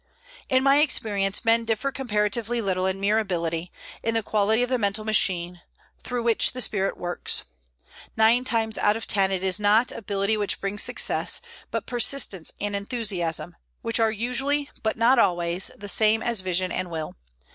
In my experience, men differ comparatively little in mere ability, in the quality of the mental machine, through which the spirit works. Nine times out of ten, it is not ability which brings success, but persistence and enthusiasm, which are usually, but not always, the same as vision and will.